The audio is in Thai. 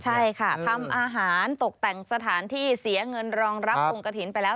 ใช่ค่ะทำอาหารตกแต่งสถานที่เสียเงินรองรับองค์กระถิ่นไปแล้ว